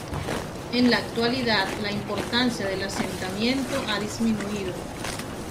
En la actualidad la importancia del asentamiento ha disminuido.